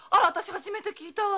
初めて聞いたわ。